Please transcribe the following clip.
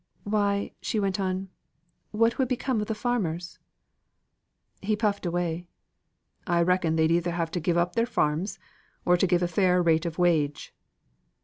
"Why," she went on, "what would become of the farmers?" He puffed away. "I reckon, they'd have either to give up their farms, or to give fair rate of wage."